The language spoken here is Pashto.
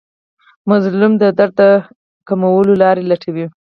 مظلوم د درد کمولو لارې لټوي.